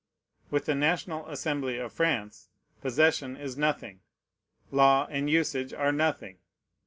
With the National Assembly of France possession is nothing, law and usage are nothing.